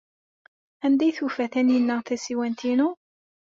Anda ay tufa Taninna tasiwant-inu?